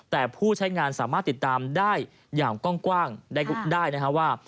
แต่ผู้ใช้งานสามารถติดตามได้อย่างกว้างได้นะครับว่า